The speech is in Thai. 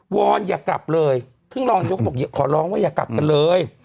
อนอย่ากลับเลยซึ่งรองนายกก็บอกขอร้องว่าอย่ากลับกันเลย